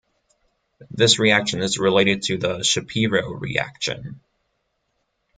This reaction is related to the Shapiro reaction.